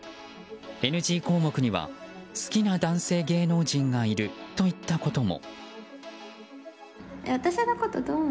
ＮＧ項目には好きな男性芸能人がいるといったことも。